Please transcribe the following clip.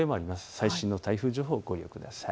最新の台風情報をご確認ください。